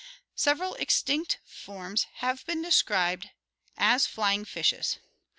Several extinct forms have been described as "flying fishes."